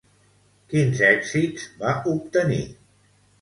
Quins èxits va obtenir?